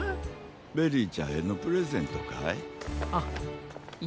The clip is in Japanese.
ベリーちゃんへのプレゼントかい？